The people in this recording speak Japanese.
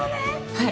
はい。